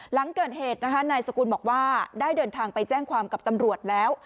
หลังเกิดเหตุนะคะนายสกุลบอกว่าได้เดินทางไปแจ้งความกับตำรวจแล้ว